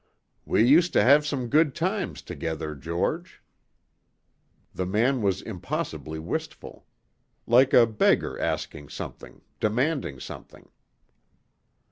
"We used to have some good times together, George." The man was impossibly wistful. Like a beggar asking something demanding something.